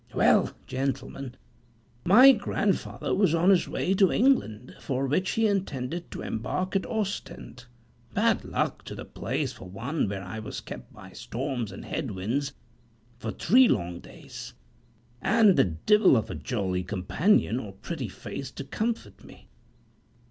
Well, gentlemen, my grandfather was on his way to England, for which he intended to embark at Ostend; bad luck to the place for one where I was kept by storms and head winds for three long days, and the divil of a jolly companion or pretty face to comfort me.